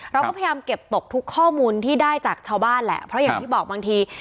เราก็พยายามเก็บตกทุกข้อมูลที่ได้จากชาวบ้านแหละเพราะอย่างที่บอกบางที